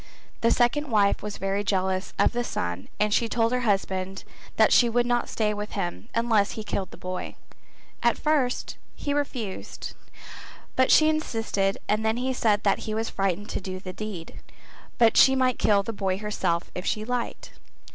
The second wife was very jealous of the son and she told her husband that she would not stay with him unless he killed the boy; at first he refused but she insisted and then he said that he was frightened to do the deed, but she might kill the boy herself if she liked.